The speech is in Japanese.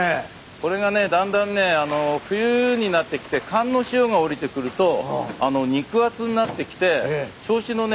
これがねだんだんね冬になってきて寒の潮がおりてくると肉厚になってきて銚子のね